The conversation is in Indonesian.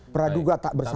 praduga tak bersalah